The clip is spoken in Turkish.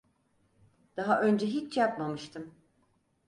Daha önce hiç yapmamıştım.